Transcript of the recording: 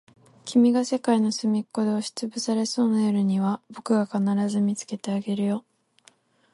君が世界のすみっこで押しつぶされそうな夜には、僕が必ず見つけてあげるよ。